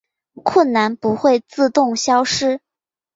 困难不会自动消失